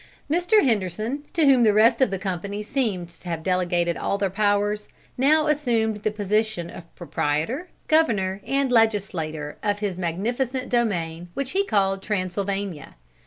Mr. Henderson, to whom the rest of the company seemed to have delegated all their powers, now assumed the position of proprietor, governor, and legislator of his magnificent domain, which he called Transylvania.